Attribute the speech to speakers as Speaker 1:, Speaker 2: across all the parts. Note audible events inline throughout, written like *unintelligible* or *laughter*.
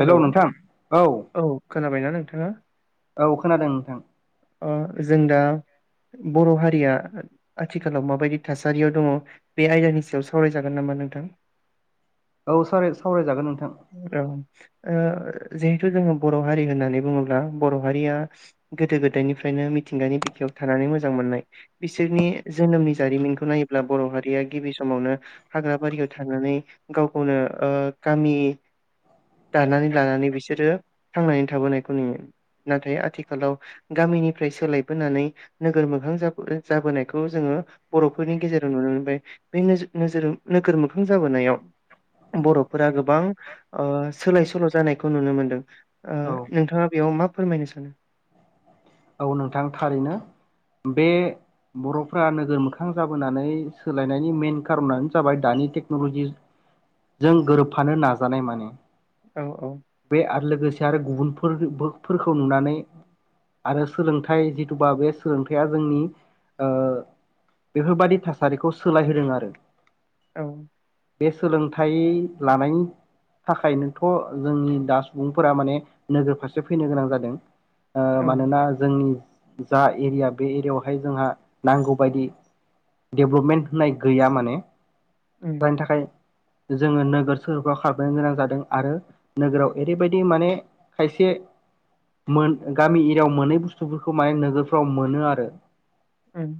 Speaker 1: Hello नोंथां औ
Speaker 2: खोनाबायना नोंथाङा
Speaker 1: औ खोनादों नोंथां
Speaker 2: ओ जों दा बर'हारिया आथिखालाव माबायदि थासारियाव दंङ बे आयदानि सायाव सावरायजागोन नामा नोंथां।
Speaker 1: औ सावराय-सावरायजागोन नों
Speaker 2: औ ओ जिहेथु जोंङो बर'हारि होननानै बुङोब्ला बर'हारिया गोदो गोदायनिफ्रायनो मिथिंगानि बिखायाव थानानै मोजां मोननाय बिसोरनि जोनोमनि जारिमिनखौ नायोब्ला बर'हरिया गिबि समावनो हाग्रा बारियाव थानानै गाव-गावनो ओ गामि दानानै लानानै बिसोरो थांनानै थाबोनायखौ नुयो नाथाय आथिखालाव गामिनिफ्राय सोलायबोनानै नोगोर मोखां जाबोनायखौ जोंङो बर'फोरनि गेजेराव नुनो मोनबाय बे नोजोर नोगोर मोखां जाबोनायाव बर'फोरा गोबां ओ सोलाय सोल' जानायखौ नुनो मोनदों
Speaker 1: औ
Speaker 2: नोंथाङा बेयाव मा फोरमायनो सान
Speaker 1: नंगौ नोंथां थारैनो बे बर'फ्रा नोगोर मोखां जाबोनानै सोलायनायनि मेन कारनानो जाबाय दानि टेक्नलजिजों गोरोबफानो नाजानाय माने
Speaker 2: औ औ
Speaker 1: बे आरो लोगोसे आरो गुबुनफोरबो फोरखौ नुनानै आरो सोलोंथाइ जिथुबा बे सोलोंथाइया जोंनि ओ बेफोरबादि थासारिखौ सोलायहोदों आरो।
Speaker 2: औ
Speaker 1: बे सोलोंथाइ लानायनि थाखायनोथ जोंनि दा सुबुंफोरा माने नोगोर फारसे फैनो गोनां जादों। ओ
Speaker 2: औ
Speaker 1: मानोना उम जा एरिया बे एरियायावहाय जोंहा नांगौबायदि डेभलपमेन्ट होननाय गैया माने
Speaker 2: उम
Speaker 1: जायनि थाखाय जोंङो नोगोर सोरबा खारबोनो गोनां जादों आरो नोगोराव एरैबायदि माने खायसे मोन गामि एरियायाव मोनै बुस थु माने नोगोरफ्राव मोनो आरो।
Speaker 2: ओं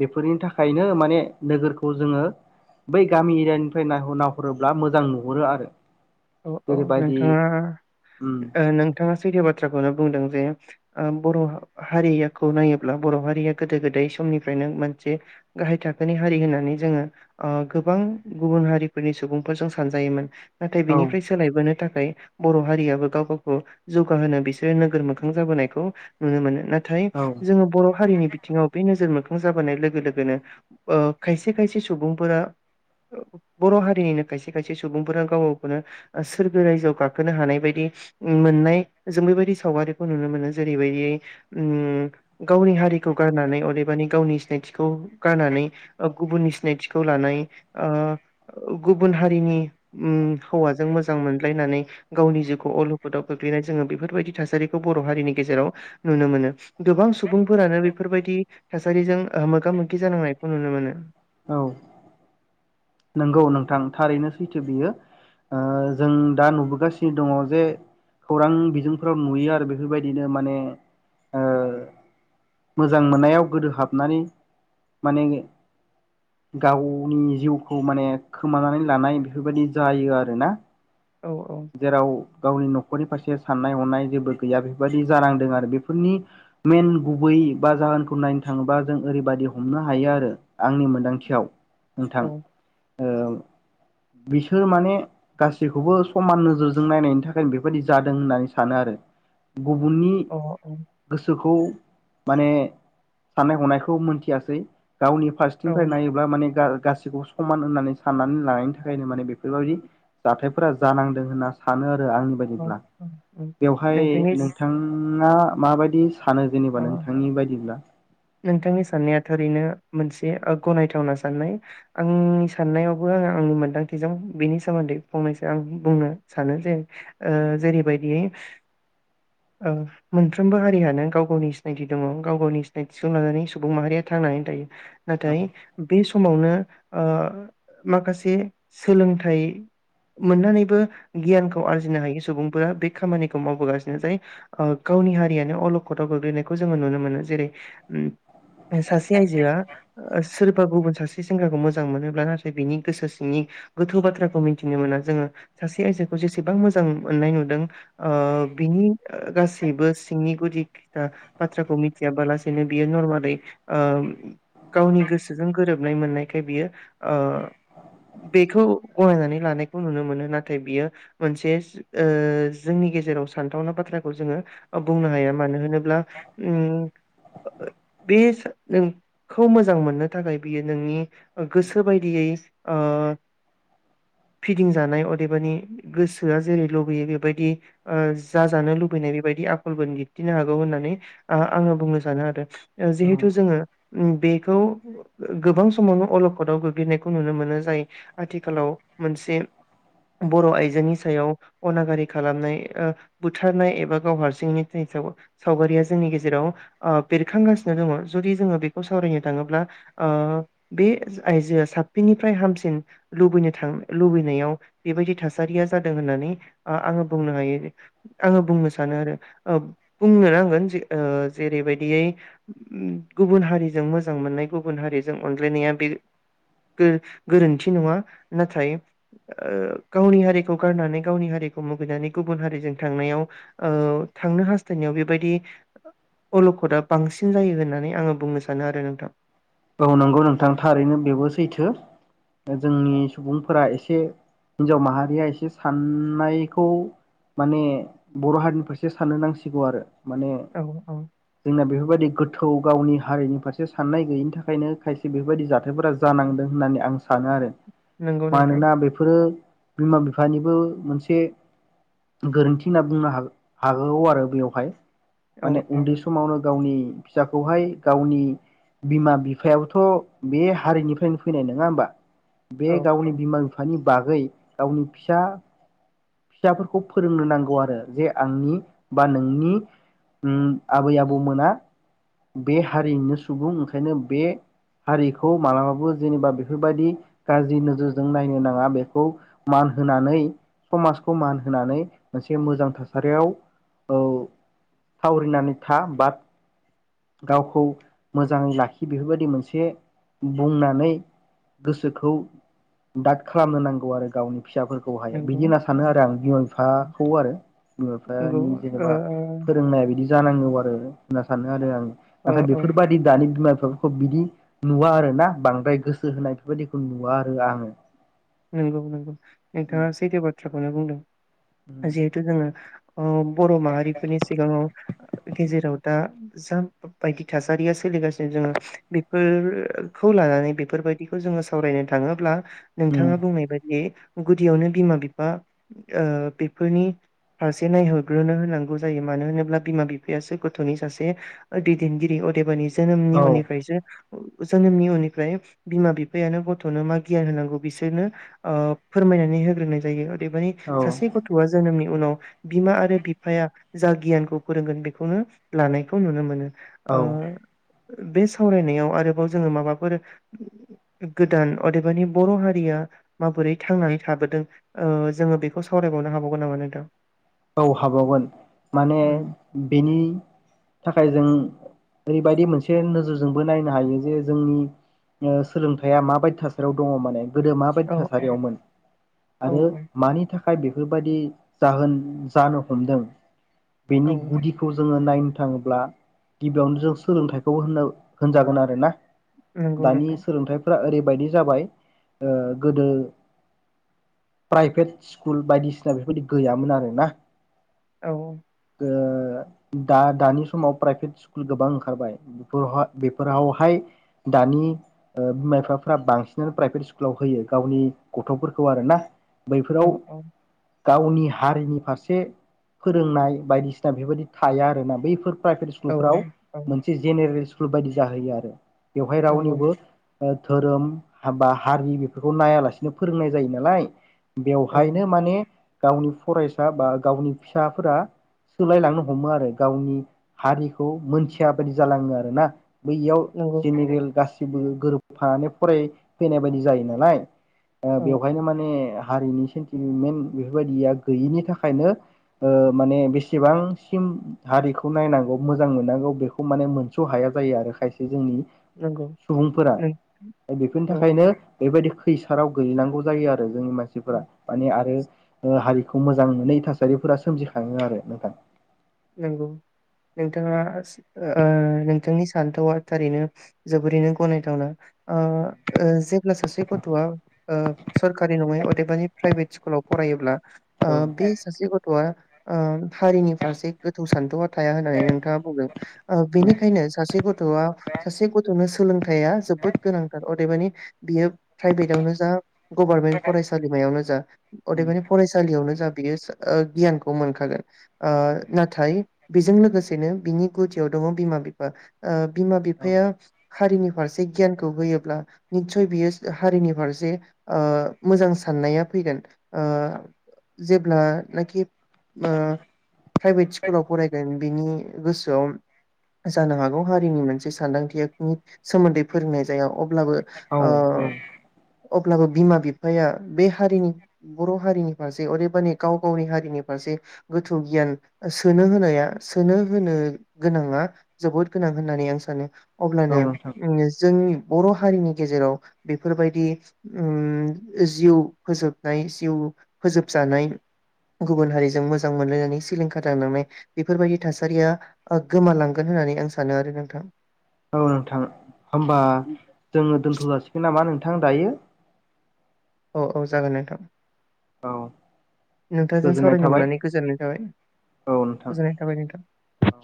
Speaker 1: बेफोरनि थाखायनो माने नोगोरखौ जोंङो बै गामि एरियानिफाय नायहर-नायहरोब्ला मोजां नुहरो आरो।
Speaker 2: औ औ
Speaker 1: जेरैबायदि
Speaker 2: नोंथाङा
Speaker 1: उम
Speaker 2: ओ नोंथाङा सैथो बाथ्राखौनो बुंदों जे ओ बर'हारियाखौ नायोब्ला बर'हारिया गोदो गोदाय समनिफ्रायनो मोनसे गाहाय थाखोनि हारि होननानै जोंङो ओ गोबां गुबुन हारिफोरनि सुबुंफोरजों सानजायोमोन। नाथाय
Speaker 1: औ
Speaker 2: बिनिफ्राय सोलायबोनो थाखाय बर'हारियाबो गाव-गावखौ जौगाहोनो बिसोरो नोगोर मोखां जाबोनायखौ नुनो मोनो ना थाय
Speaker 1: औ
Speaker 2: जोंङो बर'हारिनि बिथिङाव बे नोजोर मो जाबोनाय लोगो लोगोनो ओ खायसे खायसे सुबुंफोरा बर हारिनिनो खायसे खायसे सुबुंफोरा गाव खौनो सोरगो रायजोआव गाखोनो हानाय बायदि उम मोननाय जों बेबायदि सावगारिखौ नुनो मोनो जेरैबायदि उम गावनि हारिखौ गारनानै अदेबानि गावनि सिनायथिखौ गारनानै ओ गुबुननि सिनायथिखौ लानाय ओ गुबुन हारिनि उम हौवाजों मोजां मोनलायनानै गावनि जिउखौ अलखदाव गोगलैनाय जोङो बेफोरबायदि थासारिखौ बर हारिनि गेजेराव नुनो मोनो गोबां सुबुंफोरानो बेफोरबायदि थासारिजों ओ मोगा मोगि जानांनायखौ नुनो मोनो
Speaker 1: औ नंगौ नोंथां थारैनो सैथो बियो ओ जों दा नुबोगासिनो दङ जे खौरां बिजोंफोराव नुयो आरो बेफोरबायदिनो माने ओ मोजां मोननायाव गोदोहाबनानै माने गावनि जिउखौ माने खोमानानै लानाय बेफोरबायदि जायो आरोना
Speaker 2: औ औ
Speaker 1: जेराव गावनि नखरनि फारसे साननाय हनाय जेबो गैया बेफोरबायाददि जानांदों आरो बेफोरनि मेन गुबै बा जाहोनखौ नायनो थाङोबा जों ओरैबायदि हमनो हायो आरो आंनि मोन्दांथियाव नोंथां
Speaker 2: औ
Speaker 1: ओ बिसोर माने गासैखौबो स खमान नोजोरजों नायनायनि थाखायनो बेफोरबायदि जादों होननानै सानो आरो गुबुननि
Speaker 2: अ औ
Speaker 1: गोसोखौ माने साननाय हनायखौ मोनथियासै गावनि *unintelligible*
Speaker 2: औ
Speaker 1: नायोब्ला माने *unintelligible* गासैखौबो समान होननानै साननानै लानायनि थाखायनो माने बेफोरबायदि जाथायफोरा जा जानांदों होनना सानो *unintelligible* आंनि
Speaker 2: औ
Speaker 1: बायदिब्ला
Speaker 2: औ
Speaker 1: बेवहाय
Speaker 2: नोंथांनि
Speaker 1: नोंथाङा माबायदि सानो जेनेबा
Speaker 2: अ
Speaker 1: नोंथांनि बायदिब्ला
Speaker 2: नोंथांनि साननाया थारैनो मोनसे ओ गनायथावना साननाय आंनि साननायावबो आङो आंनि मोन्दांथिजों बेनि सोमोन्दै फंनैसो आं बुंनो सानो जे ओ जेरैबायदि मोनफ्रोमबो हारियानो गाव गावनि सिनायथि दङ गाव गावनि सिनायथिखौ लानानै सुबुं माहारिया थांनानै थायो नाथाय बे समावनो माखासे सोलोंथाइ मोननानैबो गियानखौ आरजिनो हायो सुबुंफोरा बे खामानिखौ मावबोगासिनो जाय गावनि हारियानो अल गोग्लैनायखौ जोङो नुनो मोनो जेरै सासे आयजोआ सोरबा गुबुन सासे से सेंग्राखौ मोजां मोनोब्ला नाथाय बिनि गोसो सिंनि गोथौ बाथ्राखौ मिथिनो मोना जोङो सासे आइजोखौ जेसेबां मोजां मोननाय नुदों बिनि गासैबो सिंनि गुदि। बाथ्राखौ मिथियाबालासेनो बियो नरमाललि गावनि गोसोजों गोरोबनाय मोननायखाय बियो बेखौ गनायनानै लानायखौ नुनो मोनो नाथाय बियो मोनसे जोंनि गेजेराव सानथावना बाथ्राखौ जोङो बुंनो हाया मानो। होनब्ला उम। बे नोंखौ मोजां मोननो थाखाय बियो नोंनि गोसो बायदियै फिदिंजानाय अदेबानि गोसोआ जेरै लुबैयो बेबायदि जाजानो लुबैनाय बेबायदि आखलबो दिन्थिनो हागोन। होननानै आङो बुंनो सानो आरो। जिहेथु जोङो। बेखौ गोबां समावनो अलखदाव गोग्लैनायखौ नुनो मोनो जाय आथिखालाव मोनसे बर' आइजोनि सायाव अनागारि खालामनाय बुथारनाय एबा गाव हारसिंनि सायाव सावगारिया जोंनि गेजेराव बेरखांगासिनो दङ जुदि जोङो बेखौ सावरायनो थाङोब्ला बे आइजोआ साबसिननिफ्राय हामसिन लुबैनो थां लुबैनायाव बेबायदि थासारिया जादों होननानै आङो बुंनो हायो आङो बुंनो सानो आरो। बुंनो नांगोन जे जेरैबायदियै गुबुन हारिजों मोजां मोननाय गुबुन हारिजों अनज्लायनाया बे गोरोन्थि नङा नाथाय गावनि हारिखौ गारनानै गावनि हारिखौ मुगैनानै गुबुन हारिजों थांनायाव थांनो हा जोंनियाव बेबायदि अलखदा बांसिन जायो होननानै आंङो बुंनो सानो आरो नोंथां।
Speaker 1: औ नंगौ नोंथां थारैनो बेबो सैथो जोंनि सुबुंफोरा एसे हिनजाव माहारिया एसे साननायखौ माने बर' हारिनि फारसे साननो नांसिगौ आरो। माने
Speaker 2: औ औ
Speaker 1: जोंना बेफोरबायदि गो गोथौ गावनि हारिनि फारसे साननाय गैयिनि थाखाय ओंखायनो खायसे बेफोरबायदि जाथायफोरा जानांदों होननानै आं सानो आरो।
Speaker 2: नंगौ नोंथां
Speaker 1: मानोना बेफोरो बिमा बिफानिबो मोनसे गोरोन्थि होनना बुंनो हागौ आरो बेवहाय
Speaker 2: औ
Speaker 1: माने
Speaker 2: औ
Speaker 1: उन्दै समावनो। गावनि फिसाखौहाय गावनि बिमा बि बिफायाबोथ बे हारिनिफ्रायनो फैनाय नंङा होमबा।
Speaker 2: औ
Speaker 1: बे गावनि बिमा बिफा। बिफानि बागै गावनि फिसा फिसाफोरखौ फोरोंनो नांगौ आरो जे आंनि बा नोंनि आबै आबौमोना बे हारिनिनो सुबुं ओंखायनो बे हारिखौ मालाबाबो जेनेबा बेफोरबायदि गाज्रि नोजोरजों नायनो नांङा बेखौ मान होनानै समाजखौ मान होनानै मोनसे मोजां थासारियाव थावरिनानै था बा गावखौ मोजांङै लाखि। बेफोरबायदि मोनसे बुंनानै गोसोखौ दाद खालामनो नांगौ आरो गावनि। फिसाफोरखौ हाया
Speaker 2: नंगौ
Speaker 1: बिदि होनना सानो आरो आं बिमा बिफाखौ आरो बिमा
Speaker 2: नंगौ
Speaker 1: बिफानि
Speaker 2: ओ
Speaker 1: जेनेबा फोरोंनाया बिदि जानांगौ आरो होनना सानो आरो आं
Speaker 2: औ
Speaker 1: नाथाइ
Speaker 2: औ
Speaker 1: बेफोरबायदि दानि बिमा बिफा बिदि नुवा आरो ना बांद्राय गोसो होनाय बेफोर बायदिखौ नुवा आरो आंङो‌।
Speaker 2: नोंगौ नोंगौ नोंथांआ सैथो बाथ्रा खौनो बुंदों। जिहेथु जोंङो बर माहारिफोरनि सिगांङाव गेजेराव दा जा बायदि थासारिया सोलिगासिनो जोंङो बेफोरखौ लानानै बेफोरबायदिखौ जोंङो सावरायनो थांङोब्ला
Speaker 1: उम
Speaker 2: बिथांङा बुंनाय बादि गुदियावनो बिमा बिफा बेफोरनि फारसे नायहरग्रोनो होनांगौ जायो मानो होनोब्ला बिमा बिफायासो गथ'नि सासे दैदेनगिरि अदेबानि जोनोमनि
Speaker 1: औ
Speaker 2: उननिफ्रायसो जोंनोम निउननिफ्राय बिमा बिफायानो गथनो मा गियान होनांगौ बिसोरनो फोरमायनानै होग्रोनाय जायो दा मानि
Speaker 1: औ
Speaker 2: सासे गथ'आ जोनोमनि उनाव बिमा आरो बिफाया जा गियानखौ फोरोंगोन बेखौनो लानायखौ नुनो मोनो
Speaker 1: औ
Speaker 2: ओ बे सावरायनायाव आरोबाव जोंङो माबाफोर गोदान अदेबानि बर हारि या माबोरै थांनानै थाबोदों ओ जोंङो बेखौ सावरायबावनो हाबावगोन नामा नोंथां
Speaker 1: औ हाबावगोन माने
Speaker 2: उम
Speaker 1: बेनि थाखाय जों ओरैबायदि मोनसे नोजोरजोंबो नायनो हायो जे जोंनि सोलोंथाइया माबायदि थासारियाव दंङ माने गोदो माबायदि
Speaker 2: औ औ
Speaker 1: थासारियावमोन
Speaker 2: औ
Speaker 1: आरो मानि थाख खाय बेफोरबायदि जाहोन जानो हमदों
Speaker 2: औ
Speaker 1: बेनि
Speaker 2: औ
Speaker 1: गुदिखौ जोंङो नायनो थांङोब्ला गिबियावनो जों सोलोंथाइखौ होनजागोन आरोना।
Speaker 2: नंगौ
Speaker 1: दानि
Speaker 2: नोंथां
Speaker 1: सोलोंथाइफ्रा ओरैबा बायदि जाबाय गोदो प्राइभेट स्कुल बायदिसिना बेफोरबायदि गैयामोन आरोना।
Speaker 2: औ।
Speaker 1: ओ दा दानि समाव प्राइभेट स्कुल गोबां ओंखारबाय बेफोरहा बेफोरावहाय दानि बिमा बिफाफ्रा बांसिनानो प्राइभेट स्कुलाव होयो गावनि गथ'फोरखौ आरोना।
Speaker 2: औ
Speaker 1: बैफोराव
Speaker 2: औ
Speaker 1: गावनि हारिनि फारसे से फोरोंनाय बायदिसिना बेफोरबायदि थाया आरोना बैफोर प्राइभेट
Speaker 2: औ औ
Speaker 1: स्कुफोराव
Speaker 2: औ
Speaker 1: मोनसे जेरेल सिकुल बेफोरबायदि जाहोयो आरो बेवहाय
Speaker 2: नंगौ
Speaker 1: रावनिबो ओ धोरोम बा हारि बेफोरखौ नायालासिनो फोरोंनाय जायो नालाय
Speaker 2: औ
Speaker 1: बेवहायनो माने गावनि फरायसा बा गावनि फिसाफोरा सोलायलांनो हमो आरो गावनि हारिखौ मोनथिया बायदि जालांङो आरो ना। बैयाव
Speaker 2: नंगौ
Speaker 1: जेनेरेल गासै गोरोबफानानै फरायफैनाय बायदि जायो नालाय
Speaker 2: औ
Speaker 1: बेवहायनो माने हारिनि सेन्टिमेन्ट बेफोरबायदिया गैयिनि थाखा खायनो ओ माने बेसेबांसिम हारिखौ नायनांगौ मोजां मोननांगौ बेखौ माने मोनस' हाया जायो आरो खायसे जोंनि
Speaker 2: नंगौ
Speaker 1: सुबुंफोरा
Speaker 2: नों
Speaker 1: बेफोरनि
Speaker 2: औ
Speaker 1: थाखायनो बेबायदि खैसाराव गोलैनांगौ जायो आ रो जोंनि मानसिफोरा माने आरो ओ हारिखौ मोजां मोनै थासारिफोरा सोमजिखाङो आरो नोंथां।
Speaker 2: नंगौ नोंथाङा ओ नोंथांनि सान्थौआ थारैनो जोबोरैनो गनायथावना। ओ ओ जेब्ला सासे गथ'आ ओ सरकारि नङै अदेबानि प्राइभेट कुलाव फरायोब्ला ओ
Speaker 1: औ
Speaker 2: बि सासे गथवा ओ हारिनि फारसे गोथौ सान्थौआ थाया होननानै नोंथाङा बुंदों ओ बेनिखायनो सासे गथ'आ सासे गथ'नो सोलोंथाइया जोबोद गोनांथार अदेबानि बियो प्राइभेटावनो जा गभारमेन्ट फरायसालिमायावनो जा अदेबानि फरायसालियावनो जा बियो ओ गियानखौ मोनखागोन ओ। बेजों लोगोसेनो बिनि गुदियाव दङ बिमा बिफा बिमा बिफाया हारिनि फारसे गियानखौ होयोब्ला निस्सय बियो हारिनि फारसे ओ मोजां साननाया फैगोन ओ जेब्लानाखि ओ प्राइभेट स्कुलाव फरायगोन बिनि गोसो सोआव जानो हागौ हारिनि मोनसे सानदांथिनि सोमोन्दै फोरोंनाय जाया। ब्लाबो
Speaker 1: औ औ
Speaker 2: ओ अब्लाबो बिमा बि फाया बे हारिनि बर' हारिनि फारसे ओदेबानि गाव गावनि हारिनि फारसे गोथौ गियान सोनो होनाया सोनो होनो गोनाङा जोबोद गोनां होननानै आं सानो।
Speaker 1: औ
Speaker 2: अब्लानो
Speaker 1: नोंथां
Speaker 2: जोंनि बर' हारिनि गेजेराव बेफोरबायदि उम जिउ फोजोबनाय जिउ फोजोबजानाय गुबुन हारिजों मोजां मोनलायनानै सिलिंखा *unintelligible* बेफोरबायदि थासारिया गोमालांगोन होननानै आं सानो आरो नोंथां।
Speaker 1: औ नोंथां होमबा जोङो दोन्थ'जासिगोन नामा नों थां दायो।
Speaker 2: औ औ जागोन नोंथां।
Speaker 1: औ
Speaker 2: नोंथांजों
Speaker 1: गोजोननाय
Speaker 2: सावरायनो
Speaker 1: थाबाय
Speaker 2: मोननानै गोजोननाय थाबाय
Speaker 1: औ नोंथां
Speaker 2: गोजोननाय थाबाय नोंथां।
Speaker 1: औ